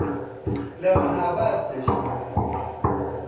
لە مەهاباد دەژیم.